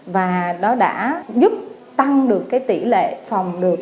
và nó đã giúp tăng được cái tỷ lệ phòng được